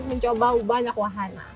mencoba banyak wahan